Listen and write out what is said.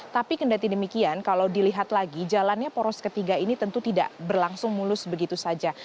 tapi kendati demikian kalau dilihat lagi jalannya poros ketiga ini tentu tidak berlangsung mulus begitu saja